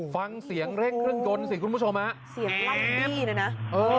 ฟังเสียงเร่งเครื่องยนต์สิคุณผู้ชมฮะเสียงลั่นยี่เลยนะเออ